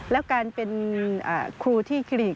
แล้วการเป็นครูที่คลินิก